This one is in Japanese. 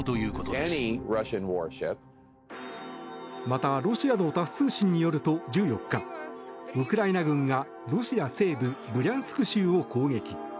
また、ロシアのタス通信によると１４日ウクライナ軍が、ロシア西部ブリャンスク州を攻撃。